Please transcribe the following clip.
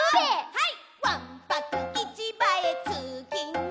はい！